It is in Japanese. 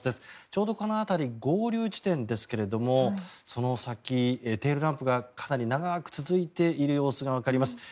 ちょうどこの辺り合流地点ですけれどもその先、テールランプがかなり長く続いている様子がわかります。